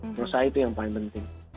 menurut saya itu yang paling penting